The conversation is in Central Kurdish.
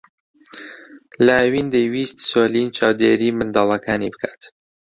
لاوین دەیویست سۆلین چاودێریی منداڵەکانی بکات.